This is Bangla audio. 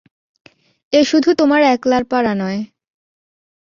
এ শুধু তোমার একলার পারা নয়।